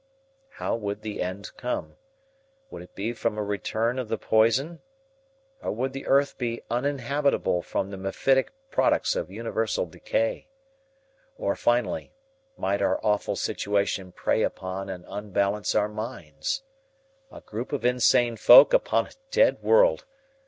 How would the end come? Would it be from a return of the poison? Or would the earth be uninhabitable from the mephitic products of universal decay? Or, finally, might our awful situation prey upon and unbalance our minds? A group of insane folk upon a dead world!